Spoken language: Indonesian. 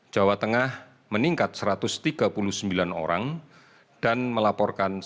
jawa tengah meningkat satu ratus tiga puluh sembilan orang dan melaporkan satu ratus sembilan